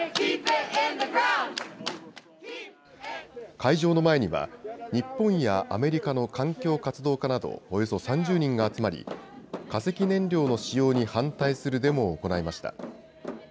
会場の前には日本やアメリカの環境活動家などおよそ３０人が集まり化石燃料の使用に反対するデモを行いました。